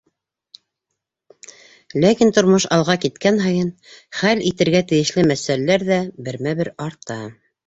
Ләкин тормош алға киткән һайын хәл итергә тейешле мәсьәләләр ҙә бермә-бер арта.